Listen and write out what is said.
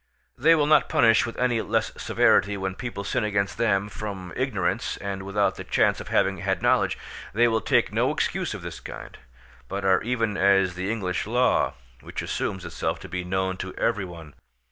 They will not punish with any less severity when people sin against them from ignorance, and without the chance of having had knowledge; they will take no excuses of this kind, but are even as the English law, which assumes itself to be known to every one.